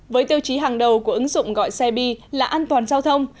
với tiêu chí hàng đầu của ứng dụng gọi xe bi là an toàn giao thông